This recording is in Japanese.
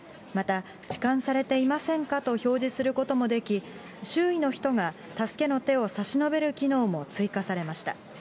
また、ちかんされていませんか？と表示することもでき、周囲の人が助けの手を差し伸べる機能も追加されました。